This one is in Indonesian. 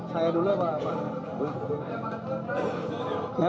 saya dulu ya pak